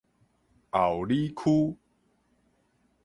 后里區